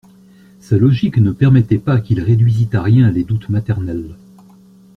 Sa logique ne permettait pas qu'il réduisît à rien les doutes maternels.